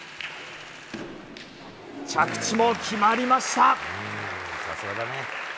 着地も決まりました！